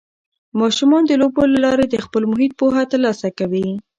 ماشومان د لوبو له لارې د خپل محیط پوهه ترلاسه کوي.